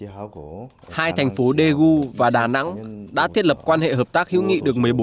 hai thành phố daegu và đà nẵng đã thiết lập quan hệ hợp tác hữu nghị